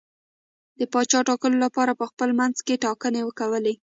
د پاچا ټاکلو لپاره یې په خپل منځ کې ټاکنې کولې.